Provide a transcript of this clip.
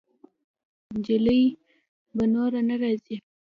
جلۍ به نوره نه راځي.